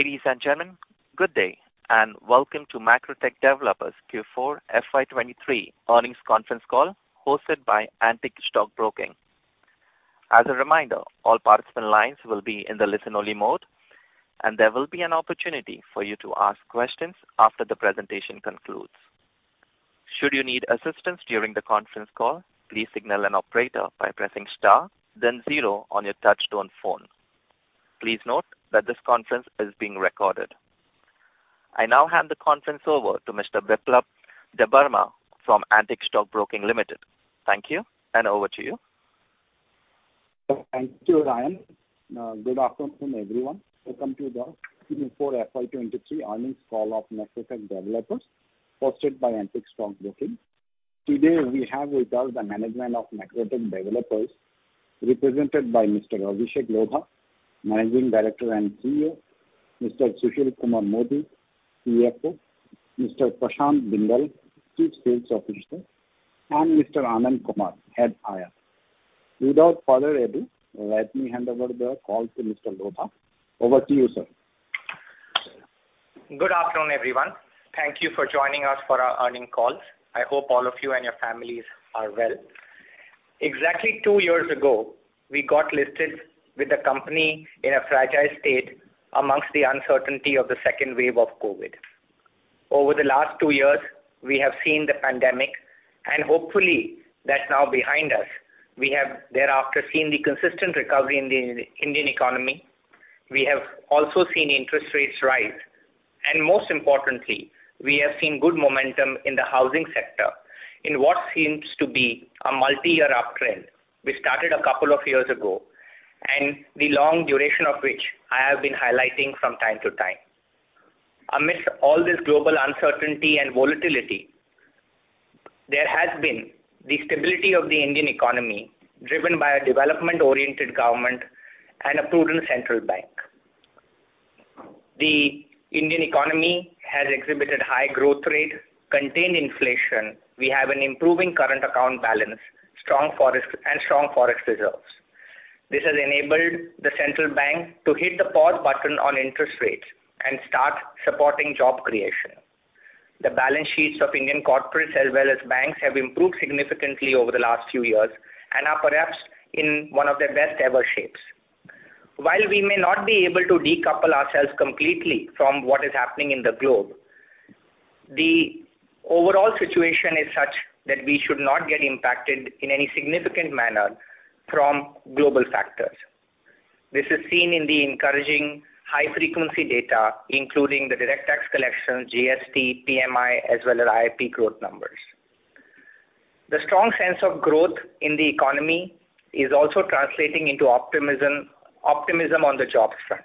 Ladies and gentlemen, good day, and welcome to Macrotech Developers Q4 FY23 earnings conference call hosted by Antique Stock Broking. As a reminder, all participant lines will be in the listen-only mode, and there will be an opportunity for you to ask questions after the presentation concludes. Should you need assistance during the conference call, please signal an operator by pressing star then zero on your touchtone phone. Please note that this conference is being recorded. I now hand the conference over to Mr. Biplab Debbarma from Antique Stock Broking Limited. Thank you, and over to you. Thank you, Ryan. Good afternoon, everyone. Welcome to the Q4 FY23 earnings call of Macrotech Developers hosted by Antique Stock Broking. Today, we have with us the management of Macrotech Developers, represented by Mr. Abhishek Lodha, Managing Director and CEO; Mr. Sushil Kumar Modi, CFO; Mr. Prashant Bindal, Chief Sales Officer; and Mr. Anand Kumar, Head IR. Without further ado, let me hand over the call to Mr. Lodha. Over to you, sir. Good afternoon, everyone. Thank Thank you for joining us for our earnings call. I hope all of you and your families are well. Exactly two years ago, we got listed with the company in a fragile state amongst the uncertainty of the second wave of COVID. Over the last two years, we have seen the pandemic, and hopefully that's now behind us. We have thereafter seen the consistent recovery in the Indian economy. We have also seen interest rates rise. Most importantly, we have seen good momentum in the housing sector in what seems to be a multi-year uptrend which started a couple of years ago, and the long duration of which I have been highlighting from time to time. Amidst all this global uncertainty and volatility, there has been the stability of the Indian economy driven by a development-oriented government and a prudent central bank. The Indian economy has exhibited high growth rate, contained inflation. We have an improving current account balance, strong forex reserves. This has enabled the central bank to hit the pause button on interest rates and start supporting job creation. The balance sheets of Indian corporates as well as banks have improved significantly over the last few years and are perhaps in one of their best-ever shapes. While we may not be able to decouple ourselves completely from what is happening in the globe, the overall situation is such that we should not get impacted in any significant manner from global factors. This is seen in the encouraging high-frequency data, including the direct tax collection, GST, PMI, as well as IIP growth numbers. The strong sense of growth in the economy is also translating into optimism on the jobs front.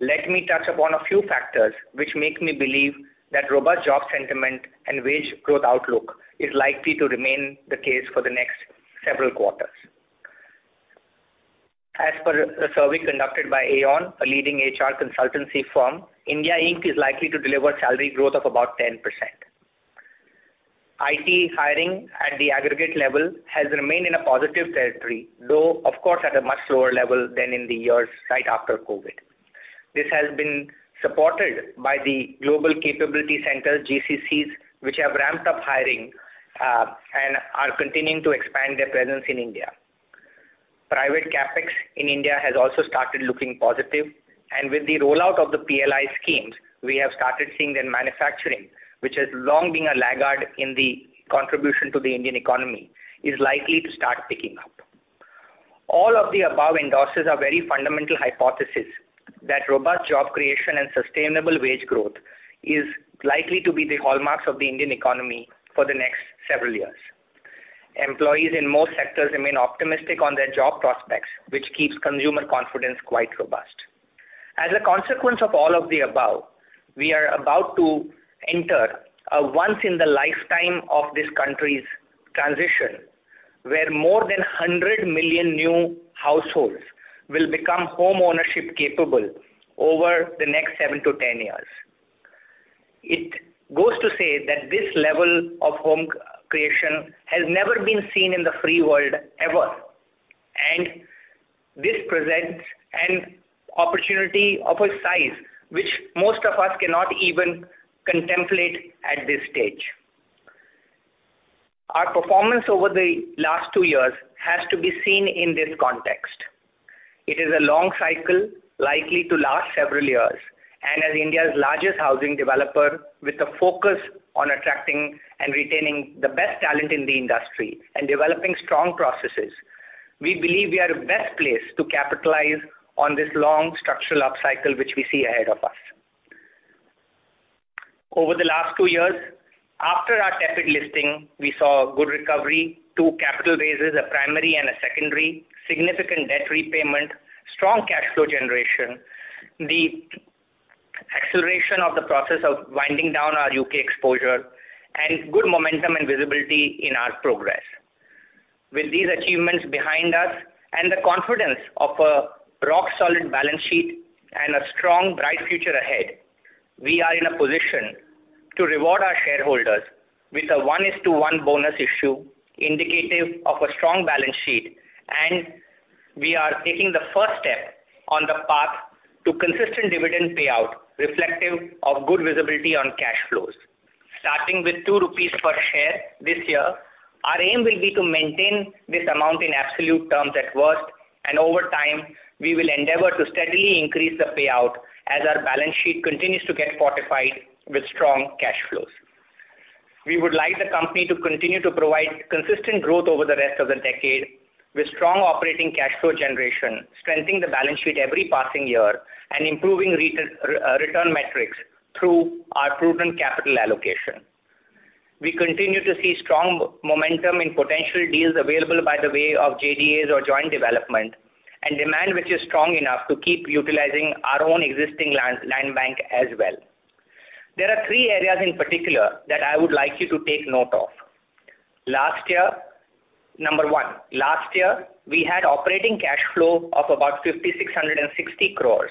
Let me touch upon a few factors which make me believe that robust job sentiment and wage growth outlook is likely to remain the case for the next several quarters. As per a survey conducted by Aon, a leading HR consultancy firm, India Inc. is likely to deliver salary growth of about 10%. IT hiring at the aggregate level has remained in a positive territory, though of course at a much lower level than in the years right after COVID. This has been supported by the Global Capability Center, GCCs, which have ramped up hiring and are continuing to expand their presence in India. Private CapEx in India has also started looking positive, and with the rollout of the PLI schemes, we have started seeing that manufacturing, which has long been a laggard in the contribution to the Indian economy, is likely to start picking up. All of the above endorses a very fundamental hypothesis that robust job creation and sustainable wage growth is likely to be the hallmarks of the Indian economy for the next several years. Employees in most sectors remain optimistic on their job prospects, which keeps consumer confidence quite robust. As a consequence of all of the above, we are about to enter a once-in-the-lifetime of this country's transition, where more than 100 million new households will become homeownership capable over the next seven to 10 years. It goes to say that this level of home creation has never been seen in the free world ever. This presents an opportunity of a size which most of us cannot even contemplate at this stage. Our performance over the last two years has to be seen in this context. It is a long cycle likely to last several years, and as India's largest housing developer with a focus on attracting and retaining the best talent in the industry and developing strong processes, we believe we are best placed to capitalize on this long structural upcycle which we see ahead of us. Over the last two years, after our tepid listing, we saw a good recovery, two capital raises, a primary and a secondary, significant debt repayment, strong cash flow generation, the acceleration of the process of winding down our U.K. exposure, and good momentum and visibility in our progress. With these achievements behind us and the confidence of a rock-solid balance sheet and a strong, bright future ahead. We are in a position to reward our shareholders with a 1:1 bonus issue indicative of a strong balance sheet, and we are taking the first step on the path to consistent dividend payout reflective of good visibility on cash flows. Starting with 2 rupees per share this year, our aim will be to maintain this amount in absolute terms at worst, and over time, we will endeavor to steadily increase the payout as our balance sheet continues to get fortified with strong cash flows. We would like the company to continue to provide consistent growth over the rest of the decade with strong operating cash flow generation, strengthening the balance sheet every passing year and improving return metrics through our proven capital allocation. We continue to see strong momentum in potential deals available by the way of JDAs or joint development and demand which is strong enough to keep utilizing our own existing land bank as well. There are three areas in particular that I would like you to take note of. Number one, last year, we had operating cash flow of about 5,660 crores.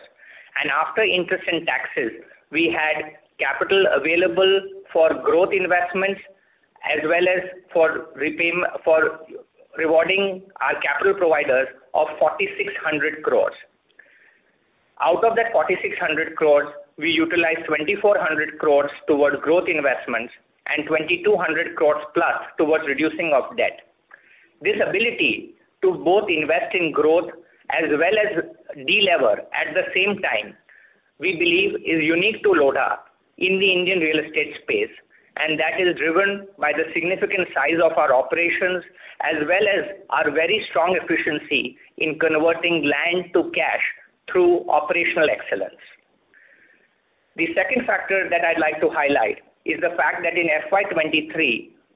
After interest and taxes, we had capital available for growth investments as well as for rewarding our capital providers of 4,600 crores. Out of that 4,600 crores, we utilized 2,400 crores towards growth investments and 2,200 crores+ towards reducing of debt. This ability to both invest in growth as well as de-lever at the same time, we believe is unique to Lodha in the Indian real estate space. That is driven by the significant size of our operations as well as our very strong efficiency in converting land to cash through operational excellence. The second factor that I'd like to highlight is the fact that in FY23,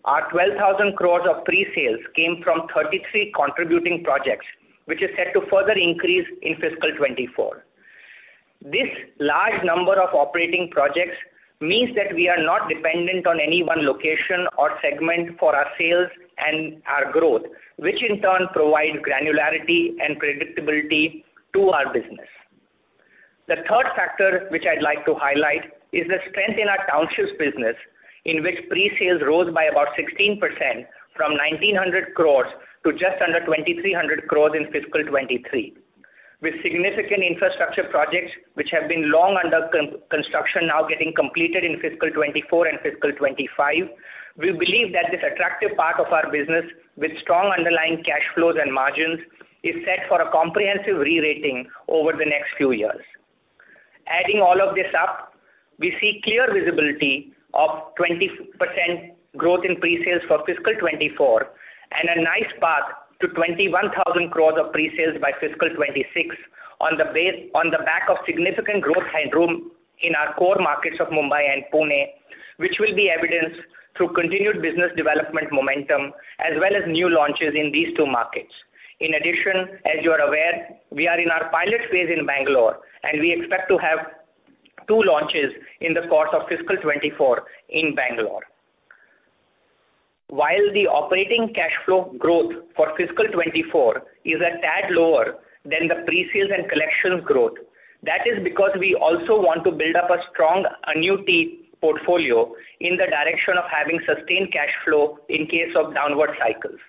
our 12,000 crore of pre-sales came from 33 contributing projects, which is set to further increase in fiscal 2024. This large number of operating projects means that we are not dependent on any one location or segment for our sales and our growth, which in turn provide granularity and predictability to our business. The third factor which I'd like to highlight is the strength in our townships business, in which pre-sales rose by about 16% from 1,900 crores to just under 2,300 crores in fiscal 2023. With significant infrastructure projects which have been long under construction now getting completed in fiscal 2024 and fiscal 2025, we believe that this attractive part of our business with strong underlying cash flows and margins is set for a comprehensive re-rating over the next few years. Adding all of this up, we see clear visibility of 20% growth in pre-sales for fiscal 2024 and a nice path to 21,000 crores of pre-sales by fiscal 2026 on the back of significant growth headroom in our core markets of Mumbai and Pune, which will be evidenced through continued business development momentum as well as new launches in these two markets. In addition, as you are aware, we are in our pilot phase in Bangalore, and we expect to have two launches in the course of fiscal 2024 in Bangalore. While the operating cash flow growth for fiscal 2024 is a tad lower than the pre-sales and collections growth, that is because we also want to build up a strong annuity portfolio in the direction of having sustained cash flow in case of downward cycles.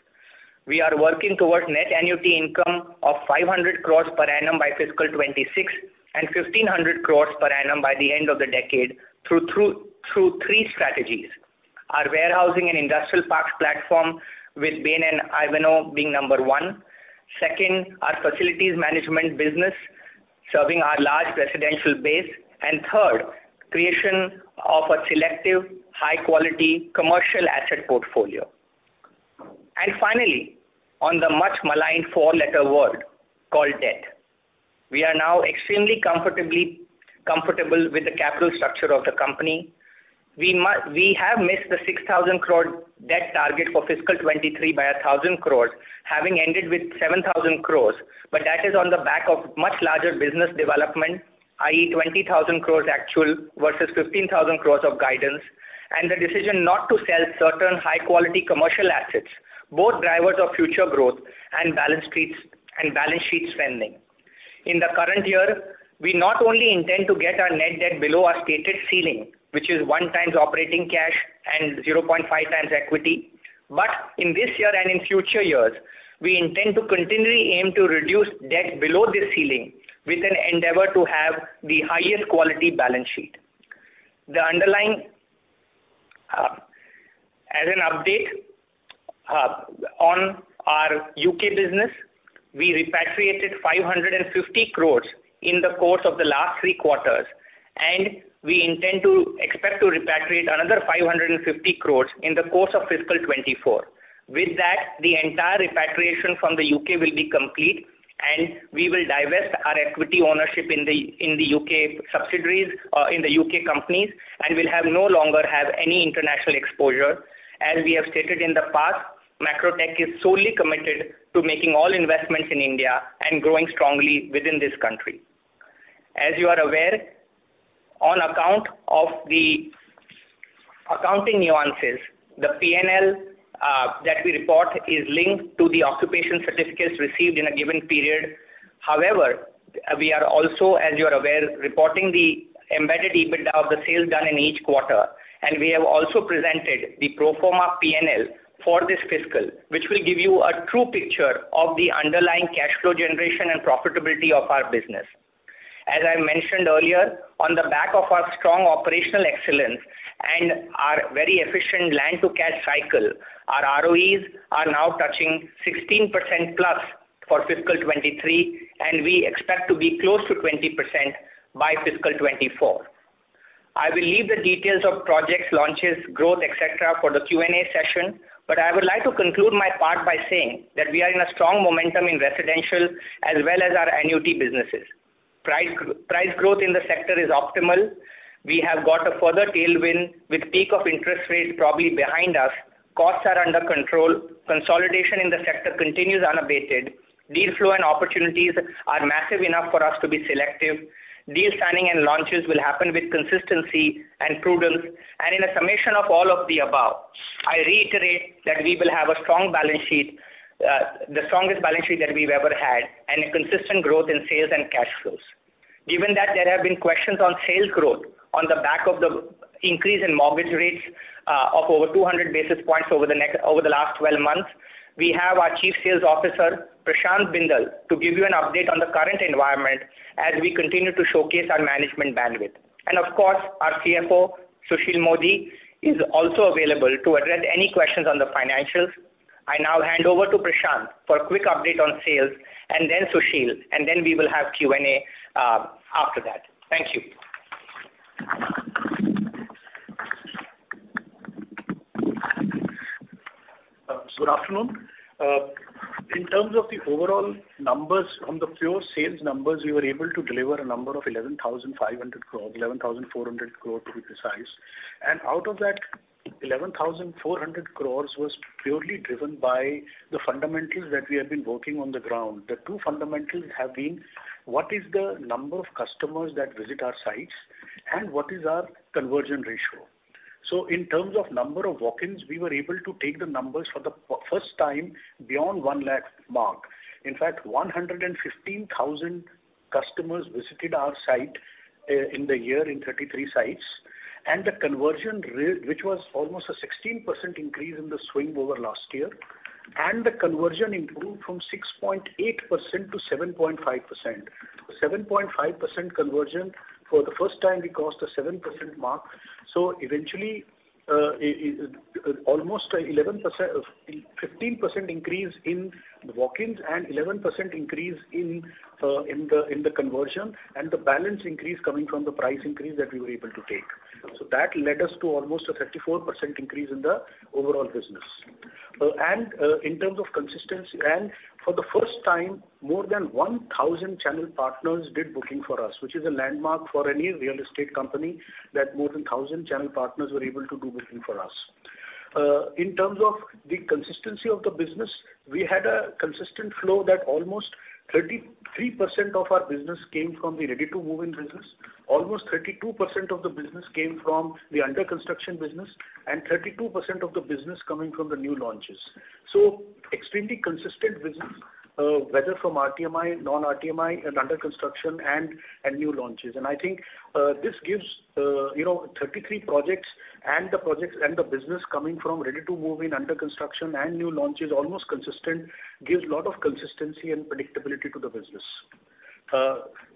We are working towards net annuity income of 500 crores per annum by fiscal 2026 and 1,500 crores per annum by the end of the decade through three strategies. Our warehousing and industrial parks platform with Bain and Ivanhoé being number one. Second, our facilities management business serving our large residential base. Third, creation of a selective high-quality commercial asset portfolio. Finally, on the much-maligned four-letter word called debt. We are now extremely comfortable with the capital structure of the company. We have missed the 6,000 crore debt target for fiscal 2023 by 1,000 crore, having ended with 7,000 crore, but that is on the back of much larger business development, i.e., 20,000 crore actual versus 15,000 crore of guidance, and the decision not to sell certain high-quality commercial assets, both drivers of future growth and balance sheets, and balance sheet strengthening. In the current year, we not only intend to get our net debt below our stated ceiling, which is 1 times operating cash and 0.5x equity. In this year and in future years, we intend to continually aim to reduce debt below this ceiling with an endeavor to have the highest quality balance sheet. The underlying, as an update, on our U.K. business, we repatriated 550 crores in the course of the last three quarters, and we intend to expect to repatriate another 550 crores in the course of fiscal 2024. With that, the entire repatriation from the U.K. will be complete, and we will divest our equity ownership in the U.K. subsidiaries, in the U.K. companies and will have no longer have any international exposure. As we have stated in the past, Macrotech is solely committed to making all investments in India and growing strongly within this country. As you are aware, on account of the Accounting nuances, the P&L that we report is linked to the occupation certificates received in a given period. However, we are also, as you are aware, reporting the embedded EBITDA of the sales done in each quarter, and we have also presented the pro forma P&L for this fiscal, which will give you a true picture of the underlying cash flow generation and profitability of our business. As I mentioned earlier, on the back of our strong operational excellence and our very efficient land to cash cycle, our ROEs are now touching 16%+ for fiscal 2023, and we expect to be close to 20% by fiscal 2024. I will leave the details of projects, launches, growth, et cetera, for the Q&A session, but I would like to conclude my part by saying that we are in a strong momentum in residential as well as our annuity businesses. Price growth in the sector is optimal. We have got a further tailwind with peak of interest rates probably behind us. Costs are under control. Consolidation in the sector continues unabated. Deal flow and opportunities are massive enough for us to be selective. Deal signing and launches will happen with consistency and prudence. In a summation of all of the above, I reiterate that we will have a strong balance sheet, the strongest balance sheet that we've ever had, and consistent growth in sales and cash flows. Given that there have been questions on sales growth on the back of the increase in mortgage rates, of over 200 basis points over the last 12 months, we have our Chief Sales Officer, Prashant Bindal, to give you an update on the current environment as we continue to showcase our management bandwidth. Of course, our CFO, Sushil Modi, is also available to address any questions on the financials. I now hand over to Prashant for a quick update on sales and then Sushil, and then we will have Q&A after that. Thank you. Good afternoon. In terms of the overall numbers from the pure sales numbers, we were able to deliver a number of 11,500 crore, 11,400 crore to be precise. Out of that 11,400 crore was purely driven by the fundamentals that we have been working on the ground. The two fundamentals have been what is the number of customers that visit our sites, and what is our conversion ratio. In terms of number of walk-ins, we were able to take the numbers for the first time beyond 1 lakh mark. In fact, 115,000 customers visited our site in the year in 33 sites. The conversion which was almost a 16% increase in the swing over last year, and the conversion improved from 6.8% to 7.5%. 7.5% conversion for the first time we crossed the 7% mark. Eventually, almost 15% increase in walk-ins and 11% increase in the conversion, and the balance increase coming from the price increase that we were able to take. That led us to almost a 34% increase in the overall business. In terms of consistency, for the first time, more than 1,000 channel partners did booking for us, which is a landmark for any real estate company that more than 1,000 channel partners were able to do booking for us. In terms of the consistency of the business, we had a consistent flow that almost 33% of our business came from the ready-to-move-in business. Almost 32% of the business came from the under-construction business, and 32% of the business coming from the new launches. Extremely consistent business, whether from RTMI, non-RTMI, and under construction and new launches. I think, this gives, you know, 33 projects and the projects and the business coming from ready-to-move-in, under construction and new launches, almost consistent, gives lot of consistency and predictability to the business.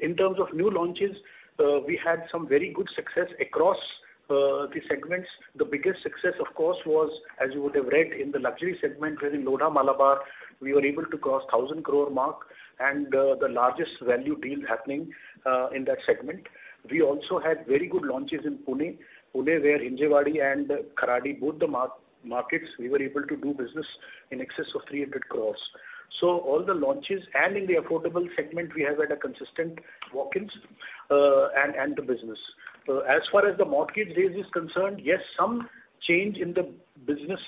In terms of new launches, we had some very good success across the segments. The biggest success of course was, as you would have read in the luxury segment where in Lodha Malabar, we were able to cross 1,000 crore mark and the largest value deal happening in that segment. We also had very good launches in Pune. Pune where Hinjawadi and Kharadi, both the markets, we were able to do business in excess of 300 crores. All the launches and in the affordable segment we have had a consistent walk-ins and the business. As far as the mortgage rate is concerned, yes some change in the business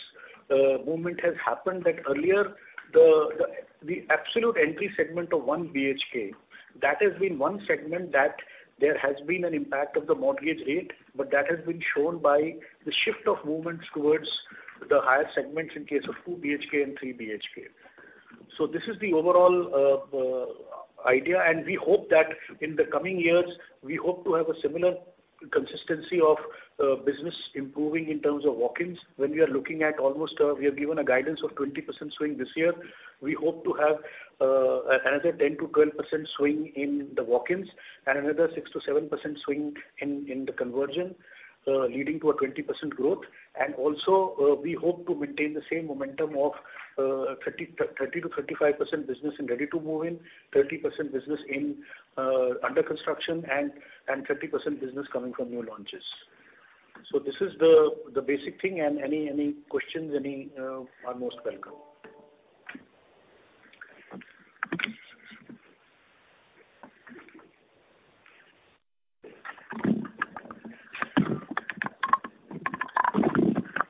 movement has happened that earlier the absolute entry segment of 1 BHK, that has been one segment that there has been an impact of the mortgage rate, but that has been shown by the shift of movements towards the higher segments in case of 2 BHK and 3 BHK. This is the overall idea, and we hope that in the coming years, we hope to have a similar consistency of business improving in terms of walk-ins. When we are looking at almost, we have given a guidance of 20% swing this year. We hope to have another 10%-12% swing in the walk-ins and another 6%-7% swing in the conversion, leading to a 20% growth. We hope to maintain the same momentum of 30%-35% business in ready-to-move-in, 30% business in under construction and 30% business coming from new launches. This is the basic thing and any questions are most welcome.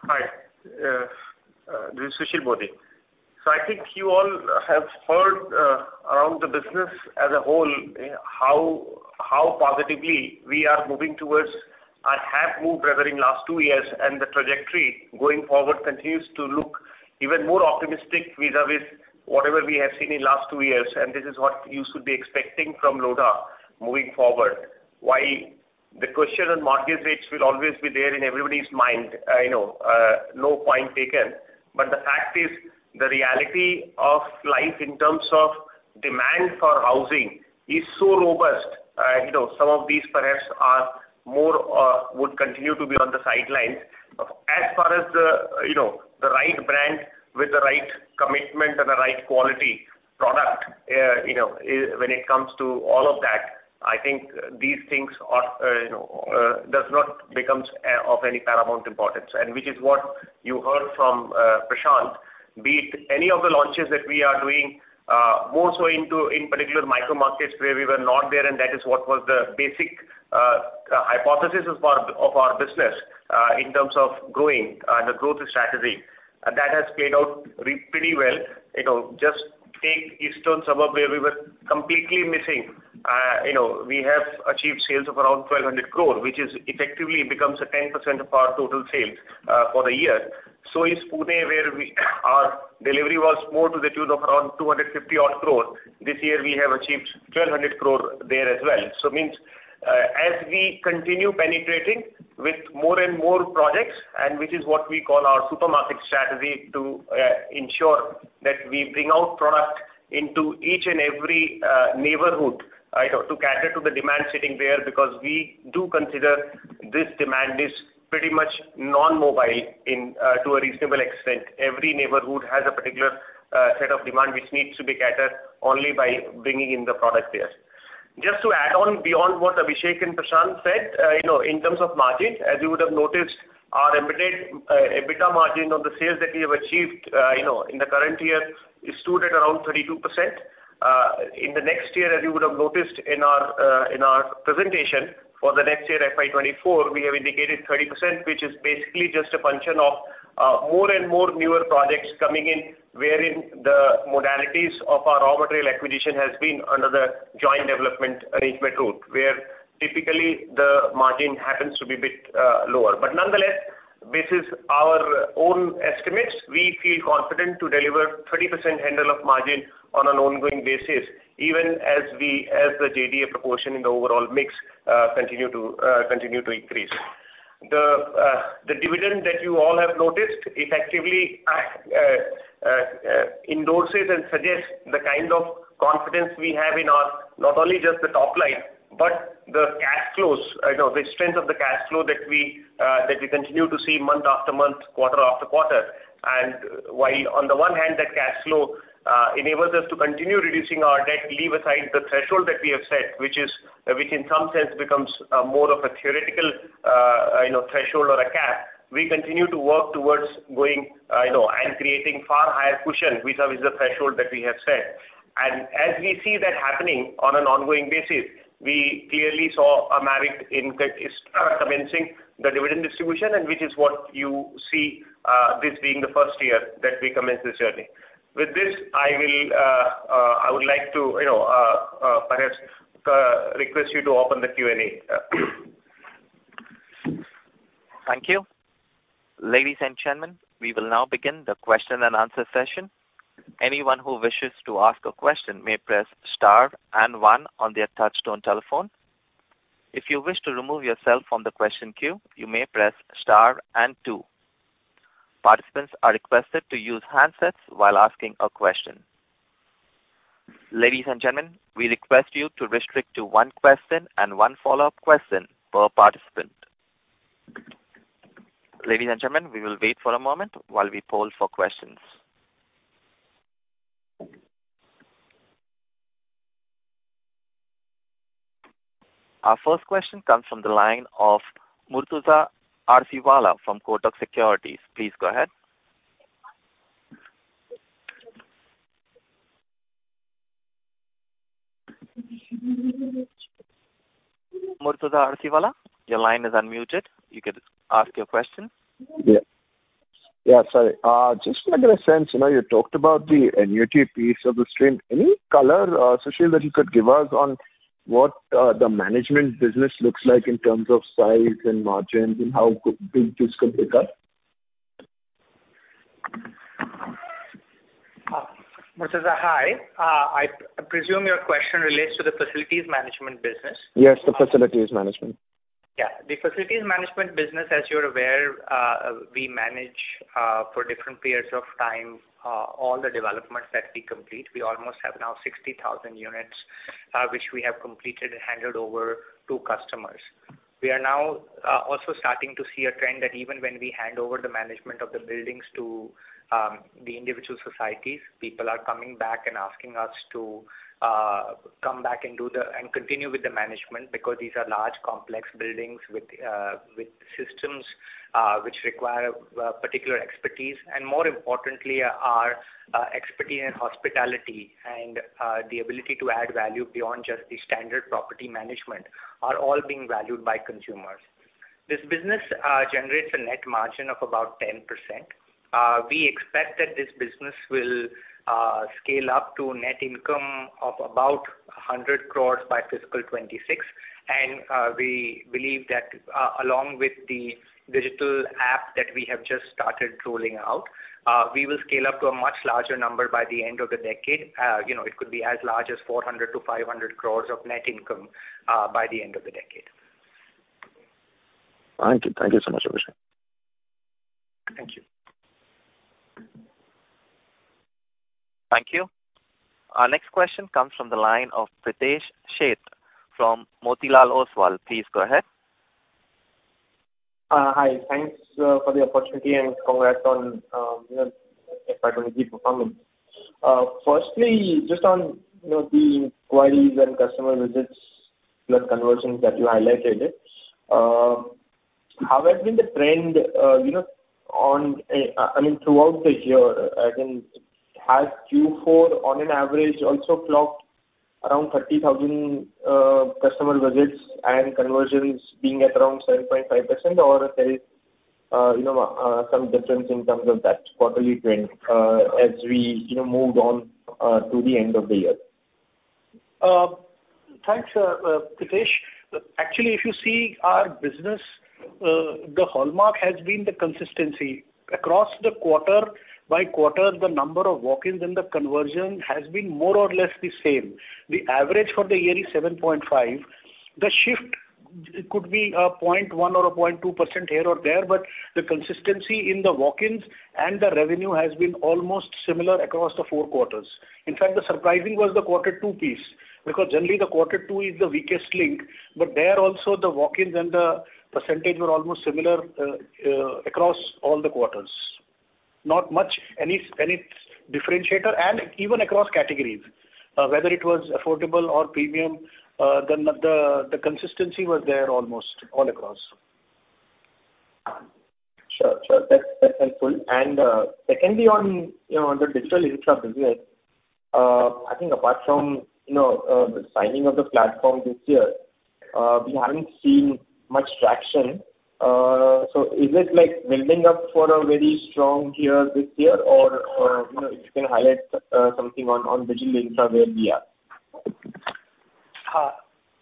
Thank you. This is Sushil Modi. I think you all have heard around the business as a whole, how positively we are moving towards and have moved rather in last two years. The trajectory going forward continues to look even more optimistic vis-à-vis whatever we have seen in last two years. This is what you should be expecting from Lodha moving forward. Why? The question on market rates will always be there in everybody's mind. I know, no point taken. The fact is the reality of life in terms of demand for housing is so robust. You know, some of these perhaps are more, would continue to be on the sidelines. As far as the, you know, the right brand with the right commitment and the right quality product, you know, when it comes to all of that, I think these things are, you know, does not becomes of any paramount importance. Which is what you heard from Prashant, be it any of the launches that we are doing, more so into in particular micro markets where we were not there, and that is what was the basic hypothesis as part of our business, in terms of growing the growth strategy. That has played out pretty well. You know, just take Eastern suburb where we were completely missing. You know, we have achieved sales of around 1,200 crore, which is effectively becomes a 10% of our total sales for the year. Is Pune, where we our delivery was more to the tune of around 250 crore. This year we have achieved 1,200 crore there as well. Means, as we continue penetrating with more and more projects, and which is what we call our supermarket strategy to ensure that we bring out product into each and every neighborhood, you know, to cater to the demand sitting there, because we do consider this demand is pretty much non-mobile in to a reasonable extent. Every neighborhood has a particular set of demand which needs to be catered only by bringing in the product there. Just to add on beyond what Abhishek and Prashant said, you know, in terms of margins, as you would have noticed, our EBITDA margin on the sales that we have achieved, you know, in the current year stood at around 32%. In the next year, as you would have noticed in our presentation for the next year, FY 2024, we have indicated 30%, which is basically just a function of more and more newer projects coming in, wherein the modalities of our raw material acquisition has been under the joint development arrangement route, where typically the margin happens to be a bit lower. Nonetheless, this is our own estimates. We feel confident to deliver 30% handle of margin on an ongoing basis, even as the JDA proportion in the overall mix continue to increase. The dividend that you all have noticed effectively endorses and suggests the kind of confidence we have in our not only just the top line, but the cash flows, you know, the strength of the cash flow that we continue to see month after month, quarter after quarter. While on the one hand that cash flow enables us to continue reducing our debt, leave aside the threshold that we have set, which is, which in some sense becomes more of a theoretical, you know, threshold or a cap. We continue to work towards going, you know, and creating far higher cushion vis-à-vis the threshold that we have set. As we see that happening on an ongoing basis, we clearly saw a merit in co-commencing the dividend distribution and which is what you see, this being the first year that we commence this journey. With this, I will, I would like to, you know, perhaps, request you to open the Q&A. Thank you. Ladies and gentlemen, we will now begin the question and answer session. Anyone who wishes to ask a question may press star and one on their touchtone telephone. If you wish to remove yourself from the question queue, you may press star and two. Participants are requested to use handsets while asking a question. Ladies and gentlemen, we request you to restrict to one question and one follow-up question per participant. Ladies and gentlemen, we will wait for a moment while we poll for questions. Our first question comes from the line of Murtuza Arsiwalla from Kotak Securities. Please go ahead. Murtuza Arsiwalla, your line is unmuted. You can ask your question. Sorry. Just wanted to get a sense, you know, you talked about the annuity piece of the stream. Any color, Sushil, that you could give us on what the management business looks like in terms of size and margins and how big this could become? Murtuza, hi. I presume your question relates to the facilities management business. Yes, the facilities management. The facilities management business, as you're aware, we manage for different periods of time, all the developments that we complete. We almost have now 60,000 units, which we have completed and handed over to customers. We are now also starting to see a trend that even when we hand over the management of the buildings to the individual societies, people are coming back and asking us to come back and continue with the management because these are large complex buildings with systems which require particular expertise. More importantly, our expertise in hospitality and the ability to add value beyond just the standard property management are all being valued by consumers. This business generates a net margin of about 10%. We expect that this business will scale up to net income of about 100 crores by fiscal 2026. We believe that along with the digital app that we have just started rolling out, we will scale up to a much larger number by the end of the decade. You know, it could be as large as 400 crores-500 crores of net income by the end of the decade. Thank you. Thank you so much, Abhishek. Thank you. Thank you. Our next question comes from the line of Pritesh Sheth from Motilal Oswal. Please go ahead. Hi. Thanks for the opportunity, and congrats on, you know, FY2023 performance. Firstly, just on, you know, the inquiries and customer visits plus conversions that you highlighted. How has been the trend, you know, on, I mean, throughout the year? I think has Q4 on an average also clocked around 30,000 customer visits and conversions being at around 7.5% or there is, you know, some difference in terms of that quarterly trend as we, you know, moved on to the end of the year? Thanks, Pritesh. Actually, if you see our business, the hallmark has been the consistency. Across the quarter by quarter, the number of walk-ins and the conversion has been more or less the same. The average for the year is 7.5. The shift could be a 0.1% or a 0.2% here or there, but the consistency in the walk-ins and the revenue has been almost similar across the four quarters. In fact, the surprising was the quarter two piece, because generally the quarter two is the weakest link. But there also the walk-ins and the percentage were almost similar across all the quarters. Not much any differentiator and even across categories. Whether it was affordable or premium, the consistency was there almost all across. Sure. Sure. That's, that's helpful. Secondly on, you know, on the digital infra business, I think apart from, you know, the signing of the platform this year, we haven't seen much traction. Is it like building up for a very strong year this year or, you know, if you can highlight something on digital infra where we are?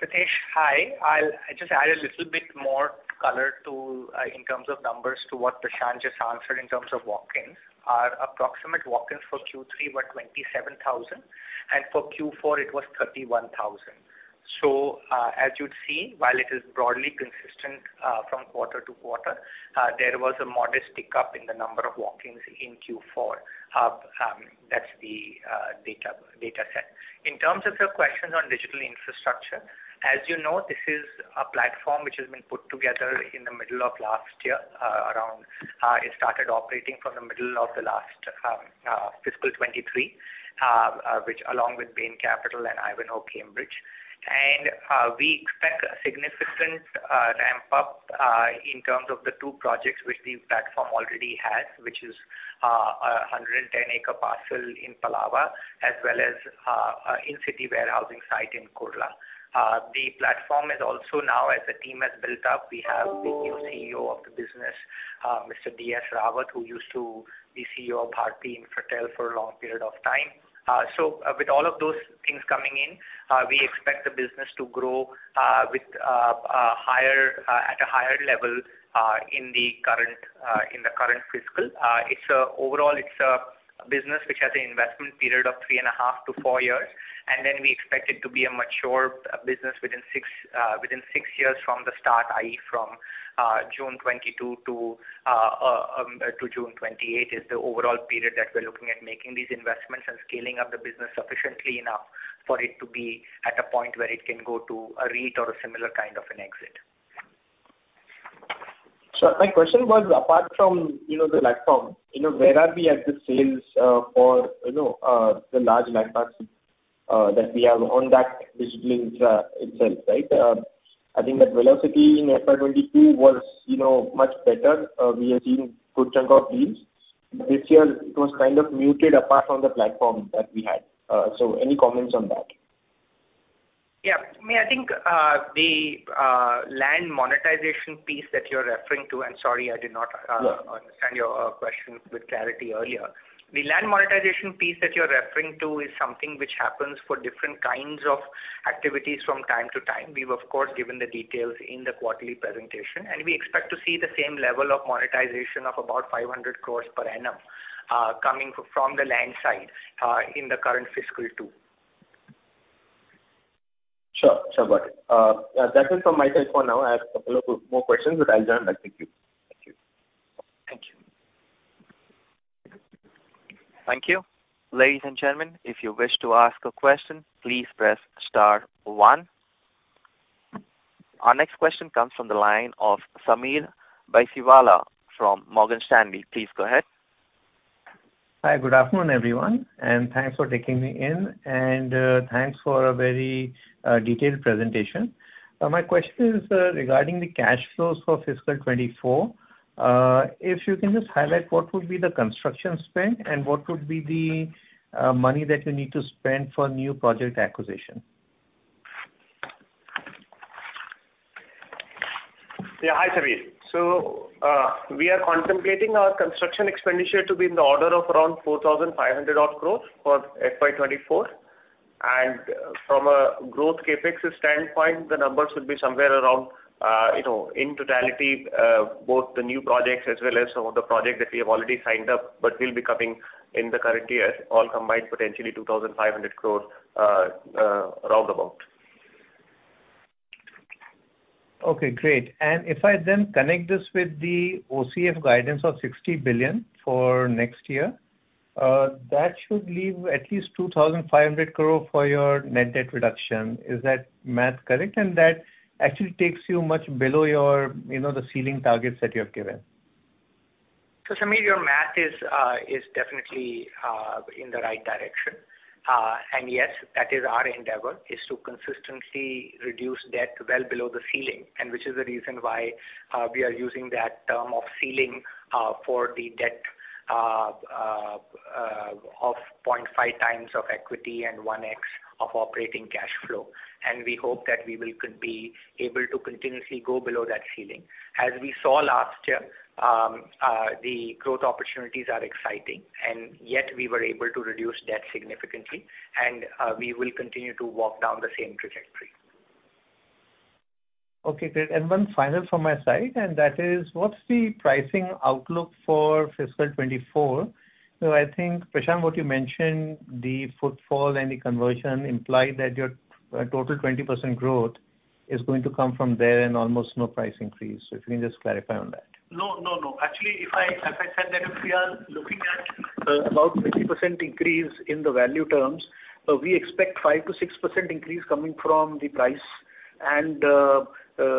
Pritesh, hi. I'll just add a little bit more color to in terms of numbers to what Prashant just answered in terms of walk-ins. Our approximate walk-ins for Q3 were 27,000, and for Q4 it was 31,000. As you'd see, while it is broadly consistent from quarter to quarter, there was a modest tick-up in the number of walk-ins in Q4. That's the data set. In terms of your questions on digital infrastructure, as you know, this is a platform which has been put together in the middle of last year, around it started operating from the middle of the last fiscal 2023, which along with Bain Capital and Ivanhoé Cambridge. We expect a significant ramp-up in terms of the two projects which the platform already has, which is a 110 acre parcel in Palava as well as a in-city warehousing site in Kurla. The platform is also now as the team has built up, we have the new CEO of the business, Mr. D.S. Rawat, who used to be CEO of Indus Towers for a long period of time. With all of those things coming in, we expect the business to grow with a higher level in the current fiscal. Overall, it's a business which has an investment period of three and a half to four years, and then we expect it to be a mature business within six years from the start, i.e., from June 2022 to June 2028 is the overall period that we're looking at making these investments and scaling up the business sufficiently enough for it to be at a point where it can go to a REIT or a similar kind of an exit. Sure. My question was, apart from, you know, the platform, you know, where are we at the sales for, you know, the large land parcels that we have on that digital infra itself, right? I think that velocity in FY2022 was, you know, much better. We have seen good chunk of deals. This year it was kind of muted apart from the platform that we had. Any comments on that? Yeah. I mean, I think, the, land monetization piece that you're referring to, and sorry. Sure. understand your question with clarity earlier. The land monetization piece that you're referring to is something which happens for different kinds of activities from time to time. We've, of course, given the details in the quarterly presentation. We expect to see the same level of monetization of about 500 crore per annum coming from the land side in the current fiscal too. Sure. Sure. Got it. That's it from my side for now. I have a couple of more questions. I'll join back. Thank you. Thank you. Thank you. Thank you. Ladies and gentlemen, if you wish to ask a question, please press star one. Our next question comes from the line of Sameer Baisiwala from Morgan Stanley. Please go ahead. Hi, good afternoon, everyone, and thanks for taking me in. Thanks for a very detailed presentation. My question is regarding the cash flows for fiscal 2024. If you can just highlight what would be the construction spend and what would be the money that you need to spend for new project acquisition? Hi, Sameer. We are contemplating our construction expenditure to be in the order of around 4,500 odd crores for FY 2024. From a growth CapEx standpoint, the numbers would be somewhere around, you know, in totality, both the new projects as well as some of the projects that we have already signed up but will be coming in the current year, all combined, potentially 2,500 crores round about. Okay, great. If I then connect this with the OCF guidance of 60 billion for next year, that should leave at least 2,500 crore for your net debt reduction. Is that math correct? That actually takes you much below your, you know, the ceiling targets that you have given. Sameer, your math is definitely in the right direction. Yes, that is our endeavor, is to consistently reduce debt well below the ceiling. Which is the reason why we are using that term of ceiling for the debt of 0.5x of equity and 1x of operating cash flow. We hope that we will be able to continuously go below that ceiling. As we saw last year, the growth opportunities are exciting, and yet we were able to reduce debt significantly and we will continue to walk down the same trajectory. Okay, great. One final from my side, and that is, what's the pricing outlook for fiscal 2024? I think, Prashant, what you mentioned, the footfall and the conversion imply that your total 20% growth is going to come from there and almost no price increase. If you can just clarify on that. No, no. Actually, if I, as I said that if we are looking at about 50% increase in the value terms, we expect 5%-6% increase coming from the price and,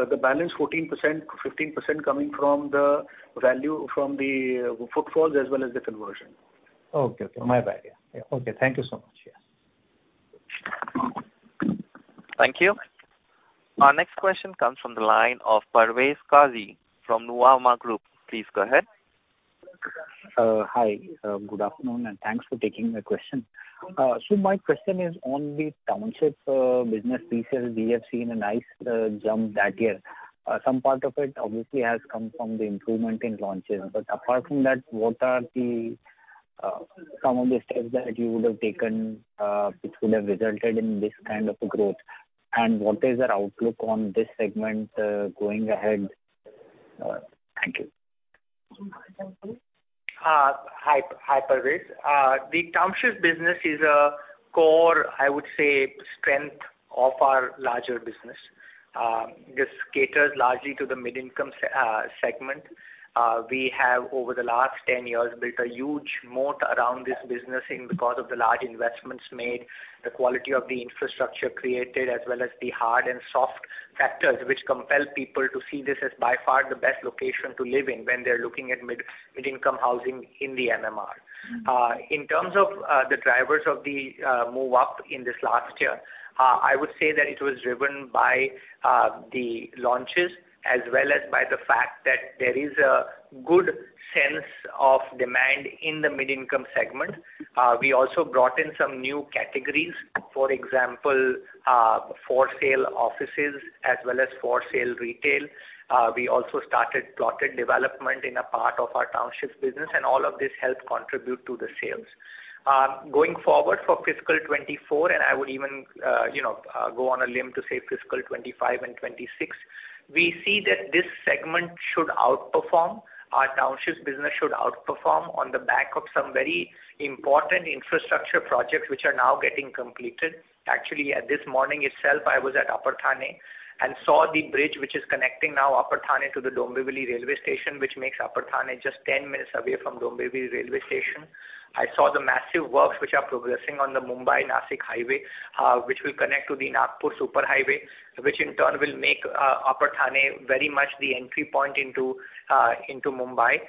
the balance 14%-15% coming from the value from the footfalls as well as the conversion. Okay. My bad. Yeah. Okay. Thank you so much. Yes. Thank you. Our next question comes from the line of Parvez Qazi from Nuvama Group. Please go ahead. Hi. Good afternoon, and thanks for taking my question. My question is on the township business piece. We have seen a nice jump that year. Some part of it obviously has come from the improvement in launches. Apart from that, what are the some of the steps that you would have taken, which would have resulted in this kind of growth? What is your outlook on this segment going ahead? Thank you. Hi, Parvez Qazi. The township business is a core, I would say, strength of our larger business. This caters largely to the mid-income segment. We have over the last 10 years built a huge moat around this business in because of the large investments made, the quality of the infrastructure created, as well as the hard and soft factors which compel people to see this as by far the best location to live in when they're looking at mid-income housing in the MMR. In terms of the drivers of the move up in this last year, I would say that it was driven by the launches as well as by the fact that there is a good sense of demand in the mid-income segment. We also brought in some new categories, for example, for sale offices as well as for sale retail. We also started plotted development in a part of our townships business, and all of this helped contribute to the sales. Going forward for fiscal 2024, and I would even, you know, go on a limb to say fiscal 2025 and 2026, we see that this segment should outperform. Our townships business should outperform on the back of some very important infrastructure projects which are now getting completed. Actually, this morning itself, I was at Upper Thane and saw the bridge which is connecting now Upper Thane to the Dombivli railway station, which makes Upper Thane just 10 minutes away from Dombivli railway station. I saw the massive works which are progressing on the Mumbai-Nashik highway, which will connect to the Nagpur super highway, which in turn will make Upper Thane very much the entry point into Mumbai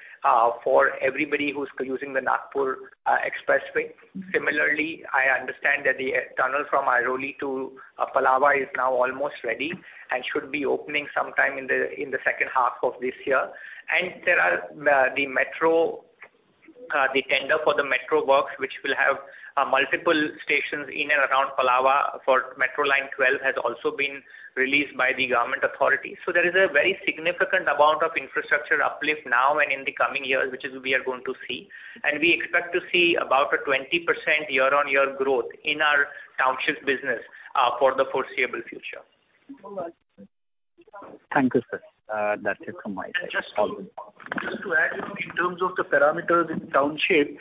for everybody who's using the Nagpur expressway. Similarly, I understand that the tunnel from Airoli to Palava is now almost ready and should be opening sometime in the second half of this year. There are the metro, the tender for the metro works, which will have multiple stations in and around Palava for Metro Line 12 has also been released by the government authorities. There is a very significant amount of infrastructure uplift now and in the coming years, which is we are going to see, and we expect to see about a 20% year-on-year growth in our township business for the foreseeable future. Thank you, sir. That's it from my side. Over. Just to add, you know, in terms of the parameters in township,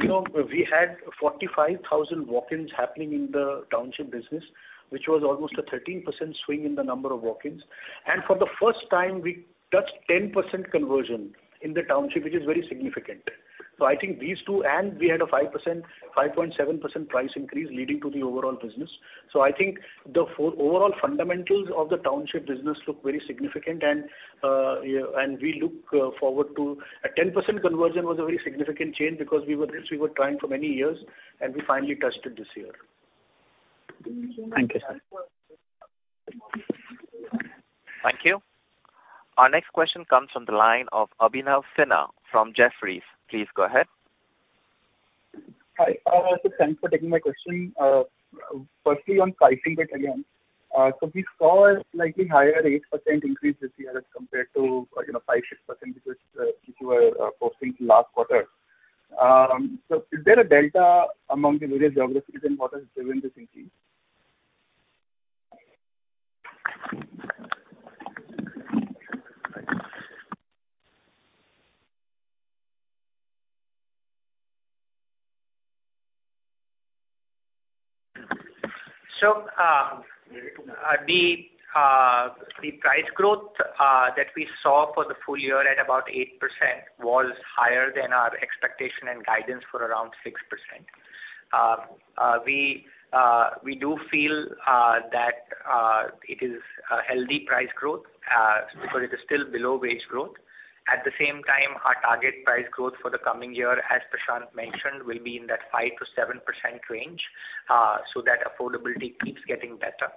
you know, we had 45,000 walk-ins happening in the township business, which was almost a 13% swing in the number of walk-ins. For the first time, we touched 10% conversion in the township, which is very significant. I think these two, and we had a 5%, 5.7% price increase leading to the overall business. I think the overall fundamentals of the township business look very significant. Yeah, we look forward to... A 10% conversion was a very significant change because we were trying for many years, and we finally touched it this year. Thank you, sir. Thank you. Our next question comes from the line of Abhinav Sinha from Jefferies. Please go ahead. Hi. Thanks for taking my question. Firstly, on pricing bit again. We saw a slightly higher 8% increase this year as compared to, you know, 5%-6% which was, which you were posting last quarter. Is there a delta among the various geographies, and what has driven this increase? The price growth that we saw for the full year at about 8% was higher than our expectation and guidance for around 6%. We do feel that it is a healthy price growth because it is still below wage growth. At the same time, our target price growth for the coming year, as Prashant mentioned, will be in that 5%-7% range so that affordability keeps getting better.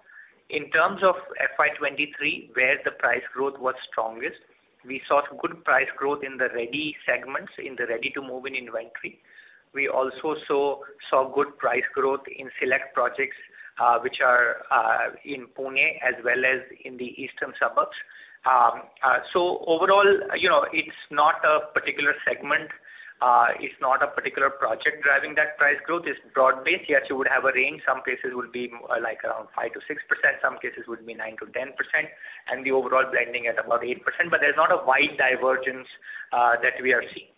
In terms of FY2023, where the price growth was strongest, we saw good price growth in the ready segments, in the ready-to-move-in inventory. We also saw good price growth in select projects which are in Pune as well as in the eastern suburbs. Overall, you know, it's not a particular segment, it's not a particular project driving that price growth. It's broad-based. Yes, you would have a range. Some cases will be like around 5%-6%, some cases would be 9%-10%, and the overall blending at about 8%. There's not a wide divergence that we are seeing.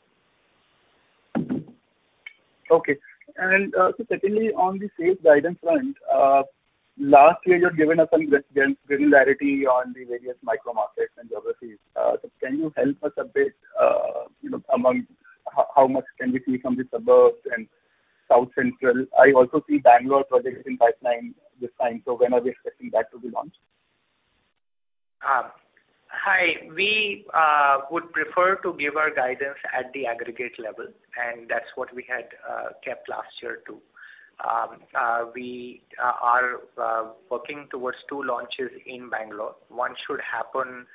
Okay. Secondly, on the sales guidance front, last year you had given us some granularity on the various micro markets and geographies. Can you help us a bit, you know, among how much can we see from the suburbs and South Central? I also see Bangalore projects in pipeline this time, when are we expecting that to be launched? Hi. We would prefer to give our guidance at the aggregate level, and that's what we had kept last year, too. We are working towards two launches in Bangalore. One should happen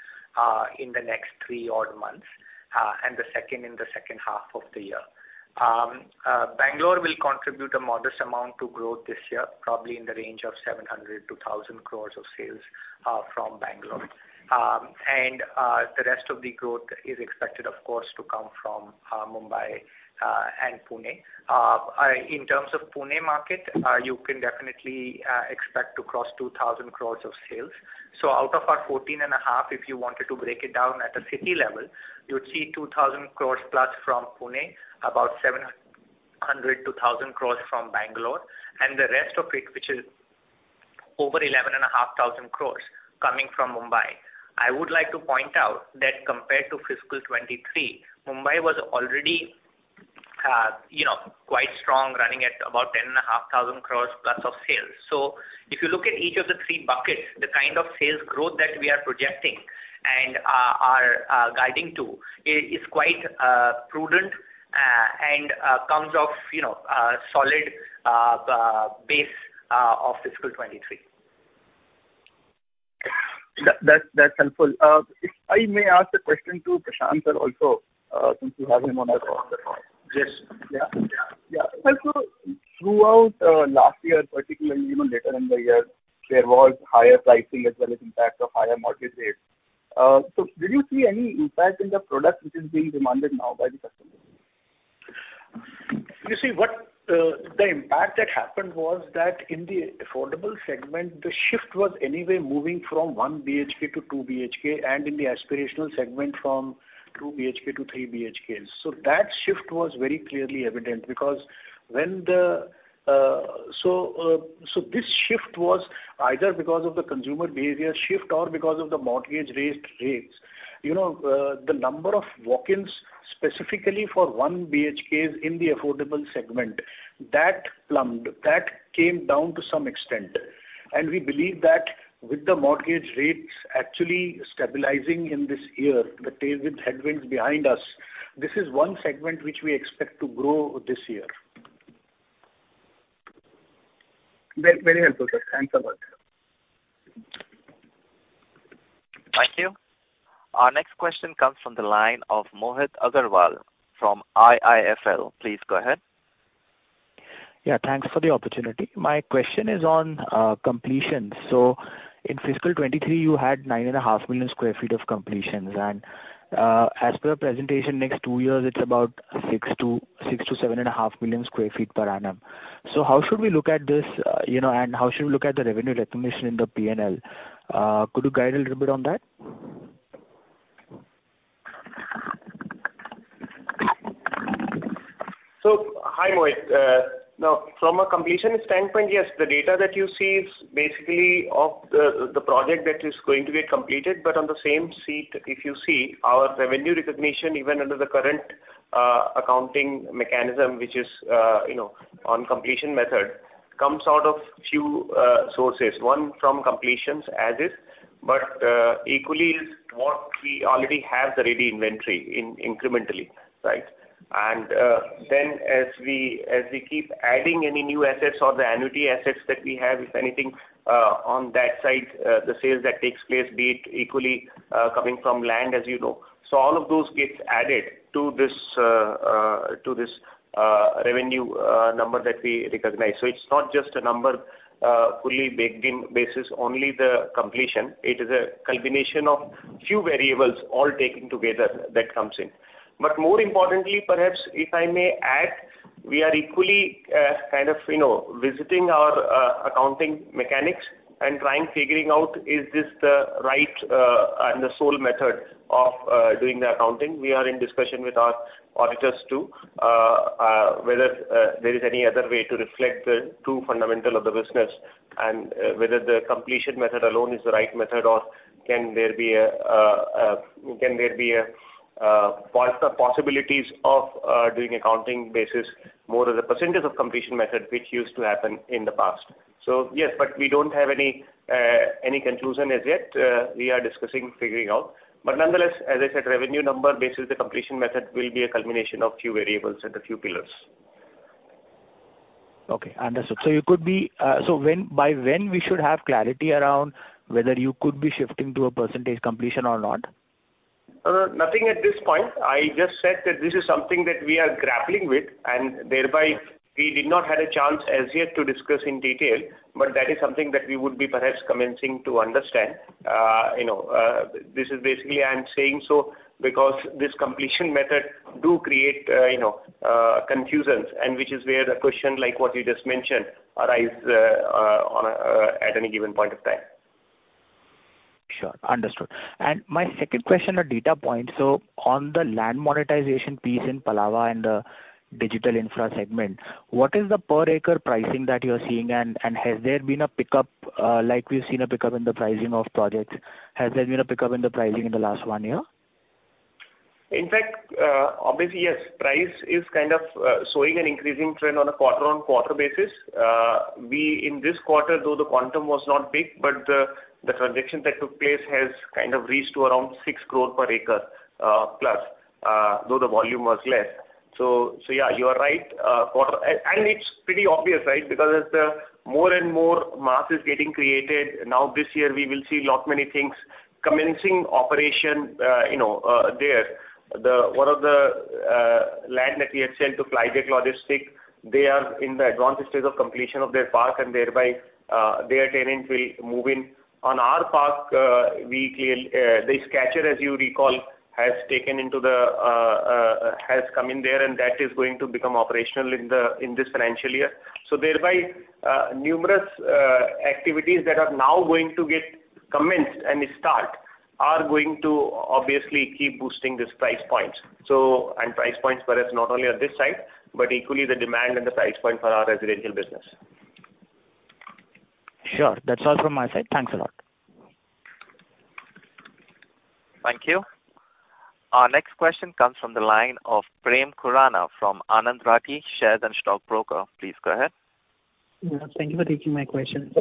in the next three odd months, and the second in the second half of the year. Bangalore will contribute a modest amount to growth this year, probably in the range of 700 crore-1,000 crore of sales from Bangalore. The rest of the growth is expected, of course, to come from Mumbai and Pune. In terms of Pune market, you can definitely expect to cross 2,000 crore of sales. Out of our 14.5, if you wanted to break it down at a city level, you would see 2,000 crores+ from Pune, about 700 crores-1,000 crores from Bangalore, and the rest of it, which is over 11,500 crores coming from Mumbai. I would like to point out that compared to fiscal 2023, Mumbai was already, you know, quite strong, running at about 10,500 crores+ of sales. If you look at each of the three buckets, the kind of sales growth that we are projecting and are guiding to is quite prudent and comes off, you know, a solid base of fiscal 2023. That's helpful. If I may ask a question to Prashant, sir, also, since you have him on the call. Yes. Yeah. Yeah. Yeah. Throughout last year, particularly even later in the year, there was higher pricing as well as impact of higher mortgage rates. Did you see any impact in the product which is being demanded now by the customers? You see, what, the impact that happened was that in the affordable segment, the shift was anyway moving from 1 BHK to 2 BHK, and in the aspirational segment from 2 BHK to 3 BHKs. That shift was very clearly evident because this shift was either because of the consumer behavior shift or because of the mortgage raised rates. You know, the number of walk-ins specifically for 1 BHKs in the affordable segment, that plumbed. That came down to some extent. We believe that with the mortgage rates actually stabilizing in this year, the tailwind, headwinds behind us, this is one segment which we expect to grow this year. Very, very helpful, sir. Thanks a lot. Thank you. Our next question comes from the line of Mohit Agrawal from IIFL. Please go ahead. Yeah. Thanks for the opportunity. My question is on completions. In fiscal 2023, you had 9.5 million sq ft of completions. As per presentation, next two years, it's about 6 million-7.5 million sq ft per annum. How should we look at this, you know, and how should we look at the revenue recognition in the P&L? Could you guide a little bit on that? Hi, Mohit. Now, from a completions standpoint, yes, the data that you see is basically of the project that is going to get completed. On the same seat, if you see our revenue recognition, even under the current accounting mechanism, which is, you know, on completion method, comes out of few sources. One from completions as is, but equally is we already have the ready inventory in-incrementally, right? Then as we keep adding any new assets or the annuity assets that we have, if anything, on that side, the sales that takes place, be it equally, coming from land, as you know. All of those gets added to this revenue, number that we recognize. It's not just a number, fully baked in basis, only the completion. It is a culmination of few variables all taken together that comes in. More importantly, perhaps if I may add, we are equally, kind of, you know, visiting our accounting mechanics and trying figuring out is this the right, and the sole method of, doing the accounting. We are in discussion with our auditors too, whether there is any other way to reflect the true fundamental of the business and whether the completion method alone is the right method or can there be a possibilities of doing accounting basis more as a percentage of completion method which used to happen in the past. Yes, but we don't have any conclusion as yet. We are discussing figuring out. Nonetheless, as I said, revenue number basis, the completion method will be a culmination of few variables and a few pillars. Okay, understood. By when we should have clarity around whether you could be shifting to a percentage completion or not? Nothing at this point. I just said that this is something that we are grappling with, and thereby we did not have a chance as yet to discuss in detail. That is something that we would be perhaps commencing to understand. you know, this is basically I'm saying so because this completion method do create, you know, confusions and which is where the question like what you just mentioned arise on a at any given point of time. Sure. Understood. My second question on data points, on the land monetization piece in Palava and the digital infra segment, what is the per acre pricing that you're seeing? Has there been a pickup, like we've seen a pickup in the pricing of projects? Has there been a pickup in the pricing in the last one year? In fact, obviously, yes. Price is kind of showing an increasing trend on a quarter-on-quarter basis. We in this quarter, though the quantum was not big, but the transaction that took place has kind of reached to around 6 crore per acre+, though the volume was less. Yeah, you are right. It's pretty obvious, right? Because as the more and more mass is getting created, now this year we will see lot many things commencing operation, you know, there. One of the land that we had sold to Flyjac Logistics, they are in the advanced stage of completion of their park and thereby, their tenants will move in. On our park, the Skechers, as you recall, has come in there, and that is going to become operational in this financial year. Thereby, numerous activities that are now going to get commenced and start are going to obviously keep boosting these price points. Price points for us not only on this side, but equally the demand and the price point for our residential business. Sure. That's all from my side. Thanks a lot. Thank you. Our next question comes from the line of Prem Khurana from Anand Rathi Shares and Stock Brokers. Please go ahead. Thank you for taking my question.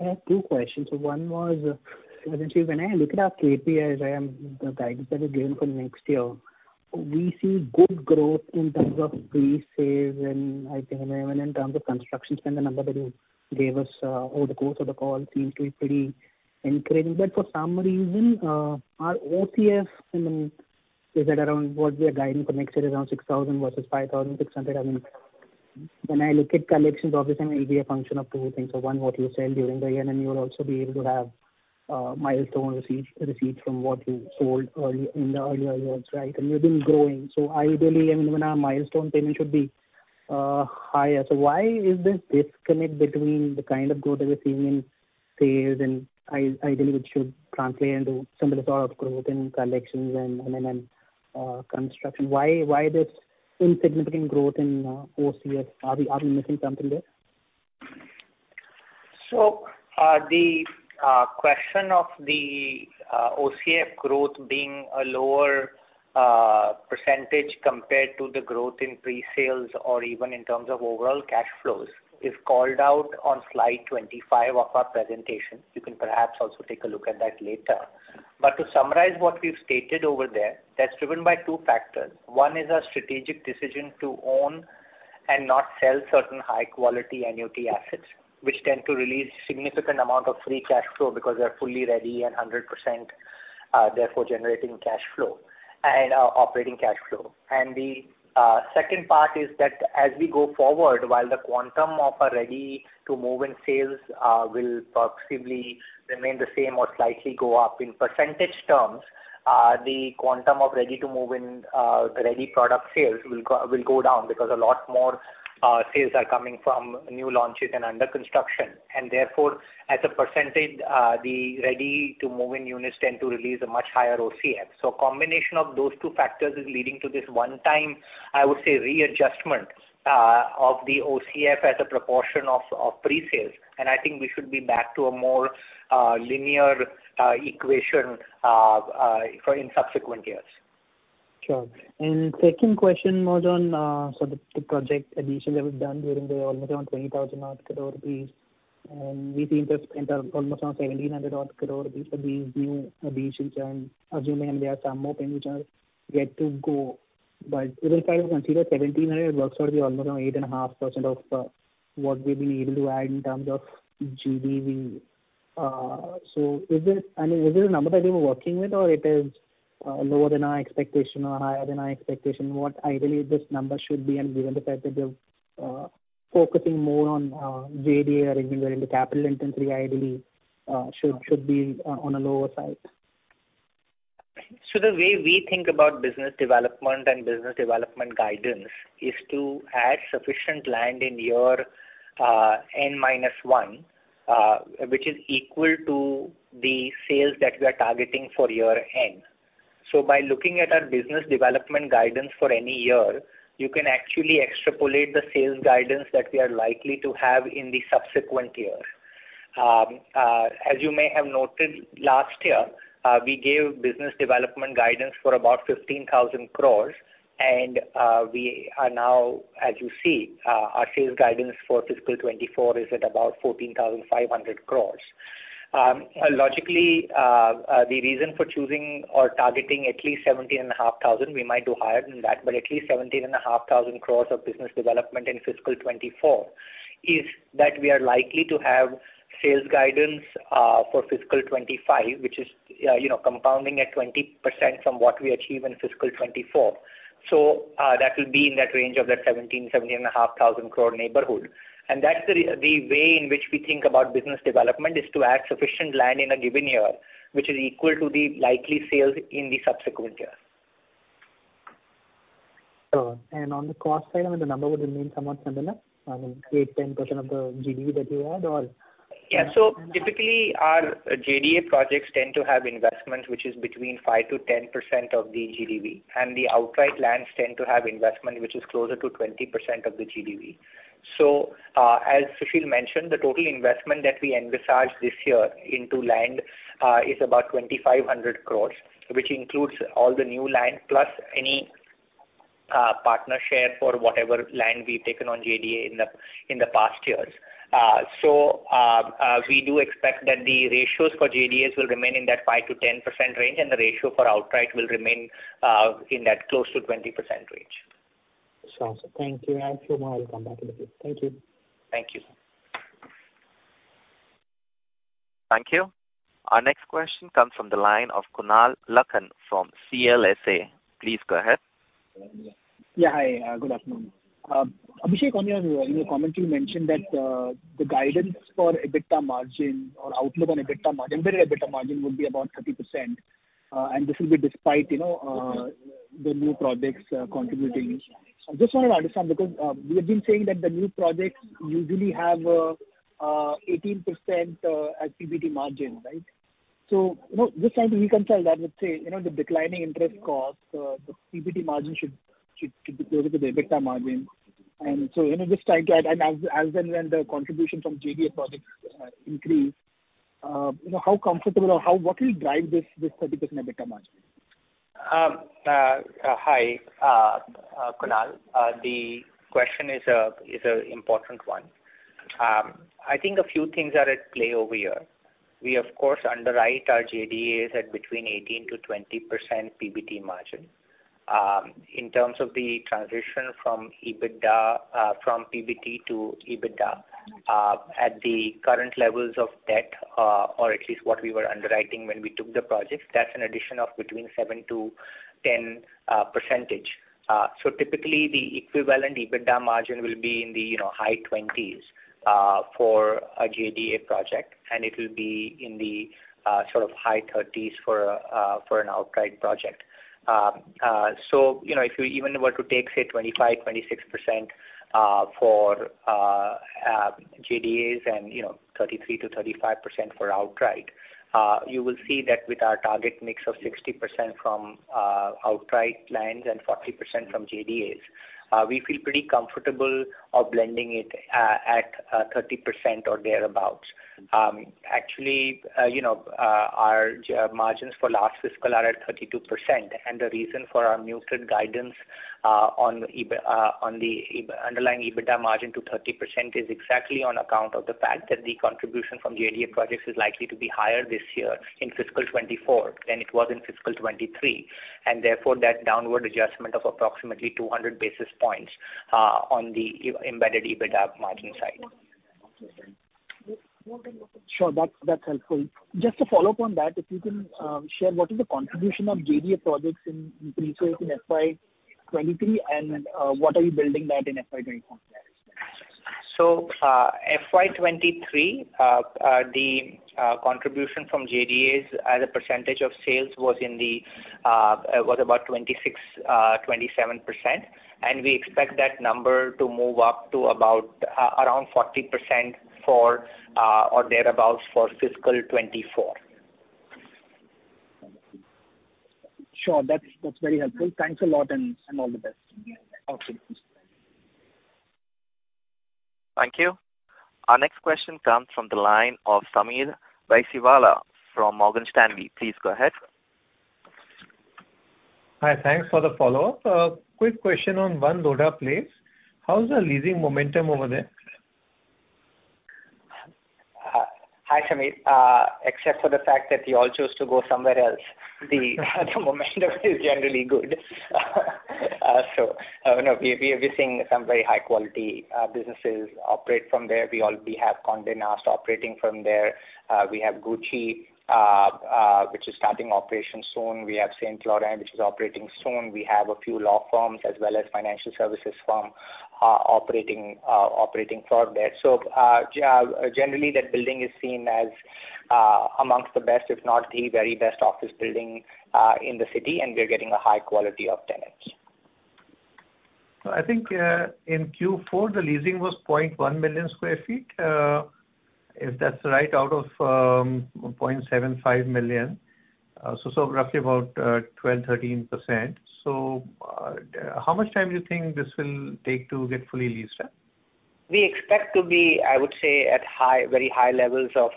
I have two questions. One was, essentially when I look at our KPIs and the guidance that we've given for next year, we see good growth in terms of pre-sales and I think even in terms of construction spend, the number that you gave us over the course of the call seemed to be pretty encouraging. For some reason, our OCF, I mean, is at around what we are guiding for next year is around 6,000 versus 5,600. I mean, when I look at collections, obviously it's gonna be a function of two things. One, what you sell during the year, and then you'll also be able to have milestone receipts from what you sold early, in the earlier years, right? You've been growing. Ideally, I mean, even our milestone payment should be higher. Why is this disconnect between the kind of growth that we're seeing in sales and ideally which should translate into similar sort of growth in collections and then construction? Why this insignificant growth in OCF? Are we missing something there? The question of the OCF growth being a lower percentage compared to the growth in pre-sales or even in terms of overall cash flows is called out on slide 25 of our presentation. You can perhaps also take a look at that later. To summarize what we've stated over there, that's driven by two factors. One is our strategic decision to own and not sell certain high quality annuity assets, which tend to release significant amount of free cash flow because they're fully ready and 100%, therefore generating cash flow and operating cash flow. The second part is that as we go forward, while the quantum of our ready to move-in sales, will approximately remain the same or slightly go up in percentage terms, the quantum of ready to move in, ready product sales will go down because a lot more, sales are coming from new launches and under construction. Therefore, as a percentage, the ready to move in units tend to release a much higher OCF. Combination of those two factors is leading to this one-time, I would say, readjustment, of the OCF as a proportion of pre-sales. I think we should be back to a more, linear, equation, for in subsequent years. Sure. Second question was on the project addition that was done during the almost around 20,000 odd crore rupees. We seem to have spent almost around 1,700 odd crore rupees for these new additions. Assuming there are some more things which are yet to go, but if I consider 1,700, it works out to be almost around 8.5% of what we've been able to add in terms of GDV. Is it a number that you were working with or it is lower than our expectation or higher than our expectation? What ideally this number should be, and given the fact that you're focusing more on JDA arrangement where the capital intensity ideally should be on a lower side. The way we think about business development and business development guidance is to add sufficient land in your N-1, which is equal to the sales that we are targeting for year N. By looking at our business development guidance for any year, you can actually extrapolate the sales guidance that we are likely to have in the subsequent year. As you may have noted last year, we gave business development guidance for about 15,000 crores and we are now, as you see, our sales guidance for fiscal 2024 is at about 14,500 crores. Logically, the reason for choosing or targeting at least 17,500 crore of business development in fiscal 2024, we might do higher than that, but at least 17,500 crore of business development in fiscal 2024, is that we are likely to have sales guidance for fiscal 2025, which is, you know, compounding at 20% from what we achieve in fiscal 2024. That will be in that range of that 17,000 crore-17,500 crore neighborhood. That's the way in which we think about business development, is to add sufficient land in a given year, which is equal to the likely sales in the subsequent year. Sure. On the cost side, I mean, the number would remain somewhat similar. I mean, 8%-10% of the GDV that you add or. Yeah. Typically our JDA projects tend to have investments which is between 5%-10% of the GDV, and the outright lands tend to have investment which is closer to 20% of the GDV. As Sushil mentioned, the total investment that we envisaged this year into land is about 2,500 crores, which includes all the new land plus any partner share for whatever land we've taken on JDA in the past years. We do expect that the ratios for JDAs will remain in that 5%-10% range, and the ratio for outright will remain in that close to 20% range. Sure. Thank you. I have a few more. I'll come back to you. Thank you. Thank you. Thank you. Our next question comes from the line of Kunal Lakhan from CLSA. Please go ahead. Yeah. Hi, good afternoon. Abhishek, in your comments you mentioned that the guidance for EBITDA margin or outlook on EBITDA margin, where EBITDA margin would be about 30%, and this will be despite, you know, the new projects contributing. I just want to understand because we have been saying that the new projects usually have 18% as PBT margin, right? You know, just trying to reconcile that with, say, you know, the declining interest costs, the PBT margin should could be closer to the EBITDA margin. As and when the contribution from JDA projects increase, you know, what will drive this 30% EBITDA margin? Hi Kunal. The question is an important one. I think a few things are at play over here. We of course underwrite our JDAs at between 18%-20% PBT margin. In terms of the transition from EBITDA, from PBT to EBITDA, at the current levels of debt, or at least what we were underwriting when we took the projects, that's an addition of between 7%-10%. So typically the equivalent EBITDA margin will be in the, you know, high twenties, for a JDA project, and it'll be in the sort of high thirties for an outright project. If you even were to take, say, 25%-26% for JDAs and 33%-35% for outright, you will see that with our target mix of 60% from outright lands and 40% from JDAs, we feel pretty comfortable of blending it at 30% or thereabout. Actually, our margins for last fiscal are at 32%, and the reason for our muted guidance on underlying EBITDA margin to 30% is exactly on account of the fact that the contribution from JDA projects is likely to be higher this year in fiscal 2024 than it was in fiscal 2023, and therefore, that downward adjustment of approximately 200 basis points on embedded EBITDA margin side. Sure. That's, that's helpful. Just to follow up on that, if you can share what is the contribution of JDA projects in fiscal, in FY 2023 and what are you building that in FY 2024? FY2023, the contribution from JDAs as a percentage of sales was in the, was about 26, 27%. We expect that number to move up to about, around 40% for, or thereabout for fiscal 2024. Sure. That's very helpful. Thanks a lot, and all the best. Awesome. Thank you. Our next question comes from the line of Sameer Baisiwala from Morgan Stanley. Please go ahead. Hi, thanks for the follow-up. quick question on One Lodha Place. How's the leasing momentum over there? Hi, Sameer. Except for the fact that you all chose to go somewhere else, the momentum is generally good. You know, we have been seeing some very high quality businesses operate from there. We have Condé Nast operating from there. We have Gucci, which is starting operations soon. We have Saint Laurent, which is operating soon. We have a few law firms as well as financial services firm, operating from there. Generally, that building is seen as amongst the best, if not the very best office building, in the city, and we are getting a high quality of tenants. I think, in Q4, the leasing was 0.1 million square feet, if that's right, out of 0.75 million. Roughly about 12%-13%. How much time do you think this will take to get fully leased up? We expect to be, I would say, at high, very high levels of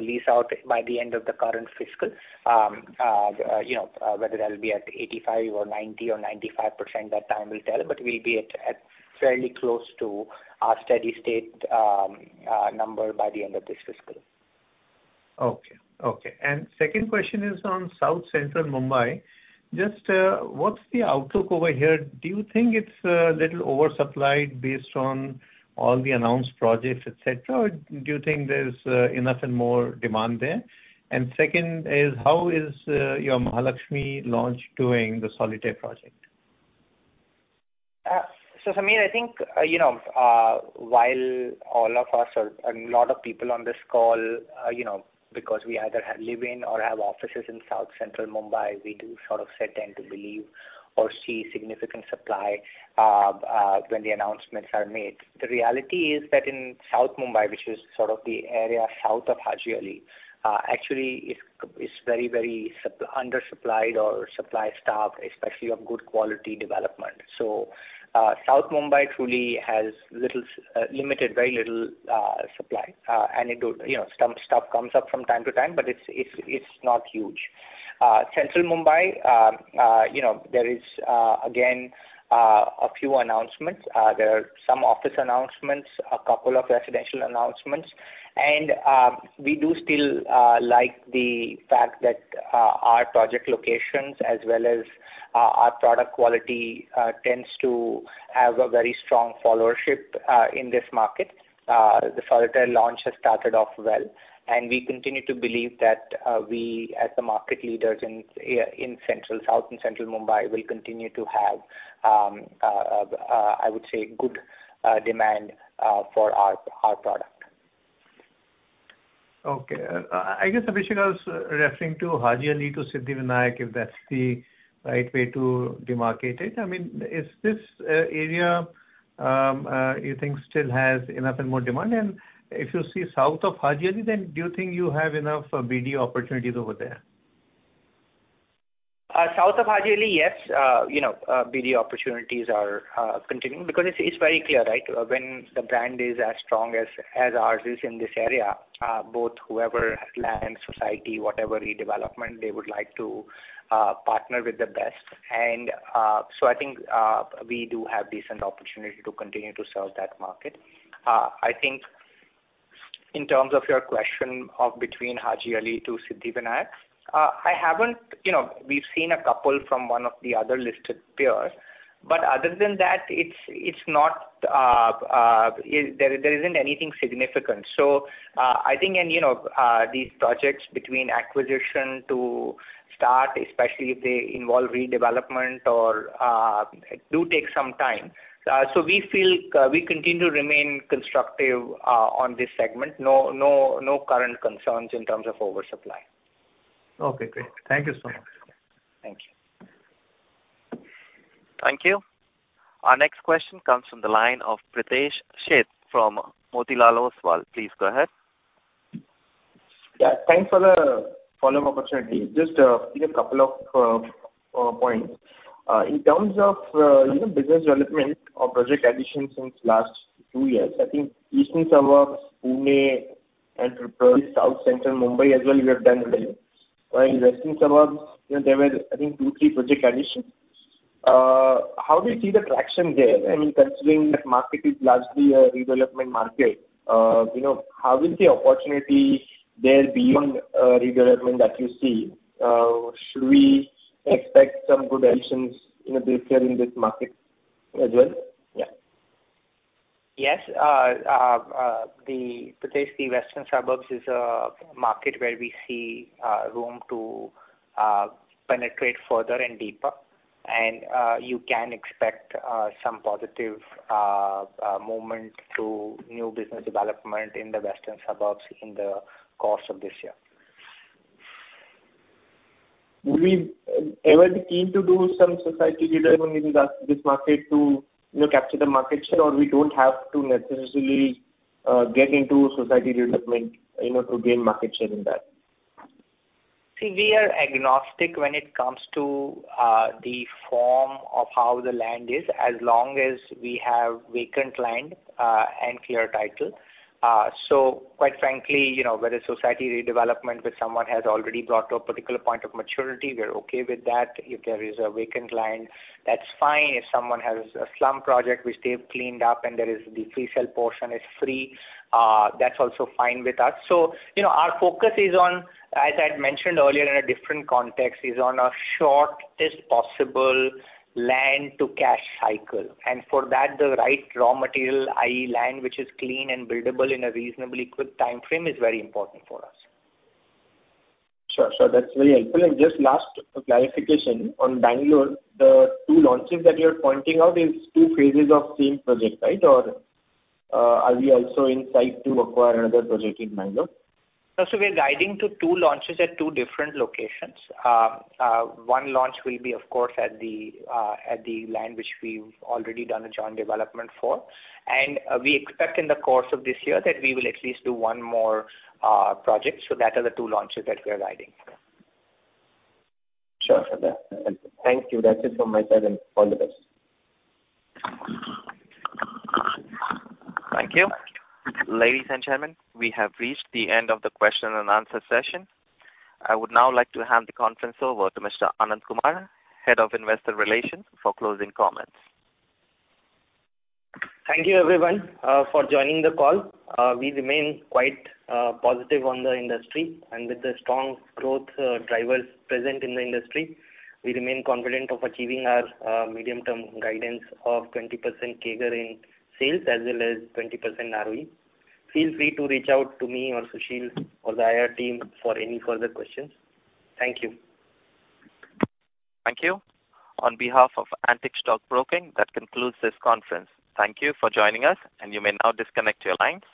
lease out by the end of the current fiscal. You know, whether that'll be at 85% or 90% or 95%, that time will tell. We'll be at fairly close to our steady state number by the end of this fiscal. Okay. Okay. Second question is on South Central Mumbai. Just, what's the outlook over here? Do you think it's a little oversupplied based on all the announced projects, et cetera, or do you think there's enough and more demand there? Second is how is your Mahalaxmi launch doing, the Solitaire project? Sameer, I think, you know, while all of us or a lot of people on this call, you know, because we either live in or have offices in South Central Mumbai, we do sort of sit and to believe or see significant supply when the announcements are made. The reality is that in South Mumbai, which is sort of the area south of Haji Ali, actually it's very, very undersupplied or supply starved, especially of good quality development. South Mumbai truly has little limited, very little supply. Anecdote, you know, some stuff comes up from time to time, but it's not huge. Central Mumbai, you know, there is again a few announcements. There are some office announcements, a couple of residential announcements. We do still like the fact that our project locations as well as our product quality tends to have a very strong followership in this market. The Solitaire launch has started off well, and we continue to believe that we as the market leaders in Central, South and Central Mumbai will continue to have I would say good demand for our product. Okay. I guess Abhishek was referring to Haji Ali to Siddhivinayak, if that's the right way to demarcate it. I mean, is this area, you think still has enough and more demand? If you see south of Haji Ali, do you think you have enough BD opportunities over there? South of Haji Ali, yes, you know, BD opportunities are continuing because it's very clear, right? When the brand is as strong as ours is in this area, both whoever land, society, whatever redevelopment they would like to partner with the best. I think we do have decent opportunity to continue to serve that market. I think in terms of your question of between Haji Ali to Siddhivinayak, I haven't. You know, we've seen a couple from one of the other listed peers, but other than that, it's not there isn't anything significant. I think you know, these projects between acquisition to start, especially if they involve redevelopment or do take some time. We feel we continue to remain constructive on this segment. No, no current concerns in terms of oversupply. Okay, great. Thank you so much. Thank you. Thank you. Our next question comes from the line of Pritesh Sheth from Motilal Oswal. Please go ahead. Thanks for the follow-up opportunity. Just a couple of points. In terms of, you know, business development or project acquisition since last two years, I think Eastern Suburbs, Pune, and probably South Central Mumbai as well, you have done well. In Western Suburbs, you know, there were I think two, three project additions. How do you see the traction there? I mean, considering that market is largely a redevelopment market, you know, how is the opportunity there beyond redevelopment that you see? Should we expect some good additions, you know, this year in this market as well? Yes. Pritesh, the Western Suburbs is a market where we see room to penetrate further and deeper. You can expect some positive movement to new business development in the Western Suburbs in the course of this year. Will we ever be keen to do some society redevelopment in this market to, you know, capture the market share, or we don't have to necessarily get into society redevelopment, you know, to gain market share in that? We are agnostic when it comes to the form of how the land is, as long as we have vacant land and clear title. Quite frankly, you know, whether society redevelopment with someone has already brought to a particular point of maturity, we're okay with that. If there is a vacant land, that's fine. If someone has a slum project which they've cleaned up and there is the free sale portion is free, that's also fine with us. You know, our focus is on, as I'd mentioned earlier in a different context, is on a shortest possible land to cash cycle. For that, the right raw material, i.e. land which is clean and buildable in a reasonably quick timeframe is very important for us. Sure. Sure. That's very helpful. Just last clarification. On Bangalore, the two launches that you're pointing out is two phases of same project, right? Are we also in sight to acquire another project in Bangalore? No. We're guiding to two launches at two different locations. One launch will be of course at the land which we've already done a joint development for. We expect in the course of this year that we will at least do one more project. That are the two launches that we are guiding for. Sure. That's helpful. Thank you. That's it from my side, and all the best. Thank you. Ladies and gentlemen, we have reached the end of the question and answer session. I would now like to hand the conference over to Mr. Anand Kumar, Head of Investor Relations for closing comments. Thank you, everyone, for joining the call. We remain quite positive on the industry. With the strong growth drivers present in the industry, we remain confident of achieving our medium-term guidance of 20% CAGR in sales as well as 20% ROE. Feel free to reach out to me or Sushil or the IR team for any further questions. Thank you. Thank you. On behalf of Antique Stock Broking, that concludes this conference. Thank you for joining us. You may now disconnect your lines.